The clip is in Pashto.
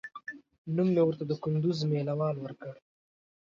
نوم مې ورته د کندوز مېله وال ورکړ.